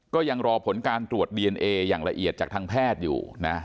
ก็ยังรอผลการตรวจดีเอนเออย่างละเอียดจากทางแพทย์อยู่นะ